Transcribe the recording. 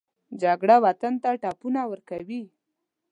جګړه وطن ته ټپونه ورکوي